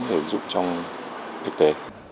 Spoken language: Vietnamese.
để ứng dụng trong thực tế